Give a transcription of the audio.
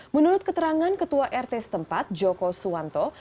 menurut keterangan ketua rt setempat joko suwanto